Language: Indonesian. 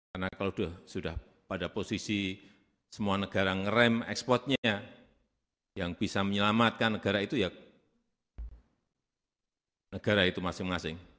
karena kalau sudah pada posisi semua negara ngerem ekspornya yang bisa menyelamatkan negara itu ya negara itu masing masing